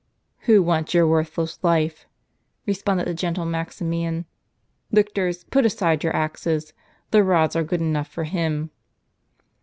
"Who wants your worthless life?" responded the gentle Maximian. "Lictors, put aside your axes; the rods are good enough for him."